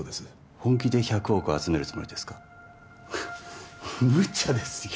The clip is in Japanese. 本気で１００億集めるつもりですかムチャですよ